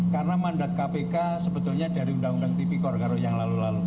karena mandat kpk sebetulnya dari undang undang tipikor yang lalu lalu